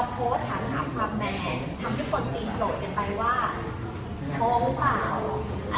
พอโฆษหาความแม่ทำให้คนตีจกกันไปว่าโทรเปล่า